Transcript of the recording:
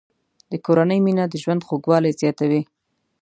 د کورنۍ مینه د ژوند خوږوالی زیاتوي.